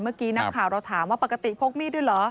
เมื่อกี้นักข่าวเราถามว่าปกติพกมีดด้วยเหรอ